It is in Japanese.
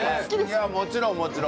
いやあもちろんもちろん。